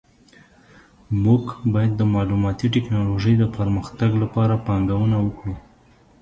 موږ باید د معلوماتي ټکنالوژۍ د پرمختګ لپاره پانګونه وکړو